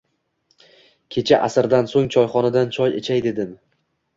Kecha asrdan so'ng choyxonadachoy ichay dedim.